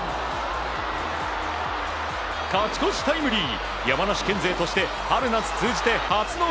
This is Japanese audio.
勝ち越しタイムリー！